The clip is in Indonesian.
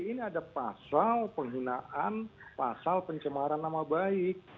ini ada pasal penghinaan pasal pencemaran nama baik